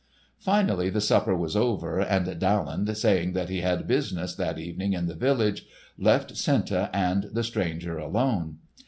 Finally the supper was over, and Daland, saying that he had business that evening in the village, left Senta and the stranger alone.